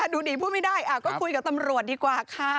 ดูดีพูดไม่ได้ก็คุยกับตำรวจดีกว่าค่ะ